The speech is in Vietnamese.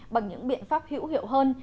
bằng những biện pháp hữu hiệu hơn